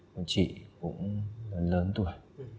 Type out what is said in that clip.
một chị cũng lớn lớn tuổi